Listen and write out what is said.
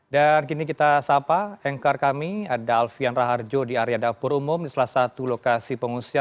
dan kini kita sapa engkar kami ada alfian raharjo di area dapur umum di salah satu lokasi pengusia